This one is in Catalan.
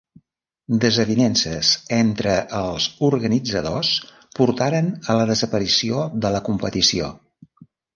Desavinences entre els organitzadors portaren a la desaparició de la competició.